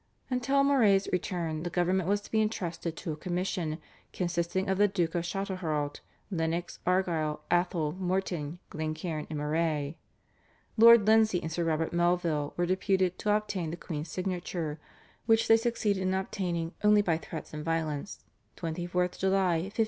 Until Moray's return the government was to be entrusted to a commission consisting of the Duke of Châtelherault, Lennox, Argyll, Atholl, Morton, Glencairn and Moray. Lord Lindsay and Sir Robert Melville were deputed to obtain the queen's signature, which they succeeded in obtaining only by threats and violence (24th July 1567).